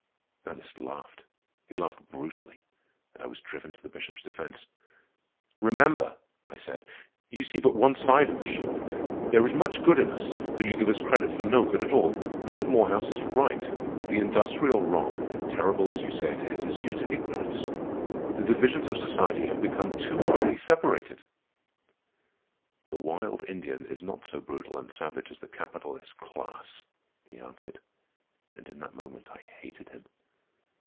Ernest laughed. He laughed brutally, and I was driven to the Bishop's defence. "Remember," I said, "you see but one side of the shield. There is much good in us, though you give us credit for no good at all. Bishop Morehouse is right. The industrial wrong, terrible as you say it is, is due to ignorance. The divisions of society have become too widely separated." "The wild Indian is not so brutal and savage as the capitalist class," he answered; and in that moment I hated him.